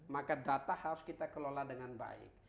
maka data harus kita kelola dengan baik